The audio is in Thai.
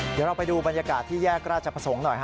เดี๋ยวเราไปดูบรรยากาศที่แยกราชประสงค์หน่อย